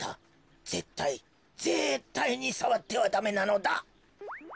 ぜったいぜったいにさわってはダメなのだ。